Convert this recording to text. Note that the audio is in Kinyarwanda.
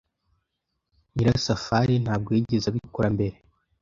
Nyirasafari ntabwo yigeze abikora mbere.